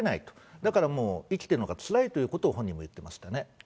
だからもう生きてるのがつらいということを本人も言ってましたね。